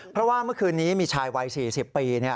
เพราะว่าเมื่อคืนนี้มีชายวัย๔๐ปี